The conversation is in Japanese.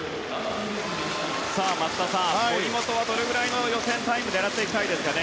松田さん、森本はどれくらいの予選タイムを狙っていきたいですかね。